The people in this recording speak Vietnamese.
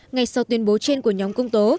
ngày sau tuyên bố trên của nhóm công tố